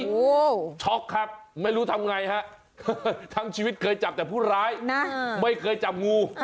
โอ้โหช็อกครับไม่รู้ทำไงฮะทั้งชีวิตเคยจับแต่ผู้ร้ายไม่เคยจับงู